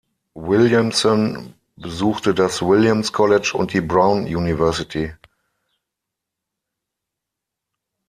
Williamson besuchte das Williams College und die Brown University.